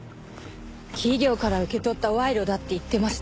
企業から受け取った賄賂だって言ってました。